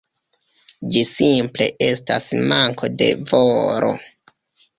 Ĝi simple estas manko de volo.